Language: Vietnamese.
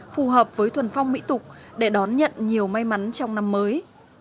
phù hợp với thuần phong mỹ tục để đón nhận nhiều may mắn trong năm mới